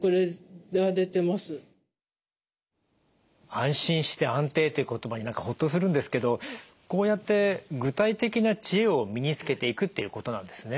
安心して安定って言葉に何かホッとするんですけどこうやって具体的な知恵を身につけていくっていうことなんですね。